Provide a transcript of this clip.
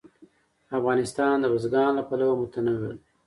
افغانستان د بزګان له پلوه متنوع دی.